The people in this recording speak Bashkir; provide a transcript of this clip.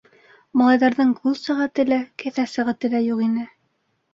Малайҙарҙың ҡул сәғәте лә, кеҫә сәғәте лә юҡ ине.